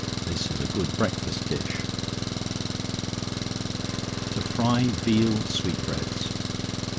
This is a good breakfast dish. To Fry Veal Sweet Breads.